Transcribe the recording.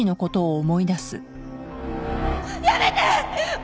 やめて！